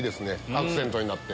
アクセントになって。